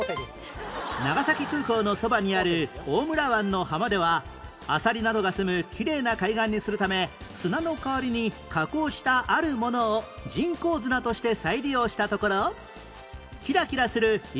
長崎空港のそばにある大村湾の浜ではあさりなどがすむきれいな海岸にするため砂の代わりに加工したあるものを人工砂として再利用したところキラキラするインスタ映え